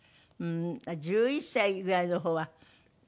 １１歳ぐらいの方はどうかな？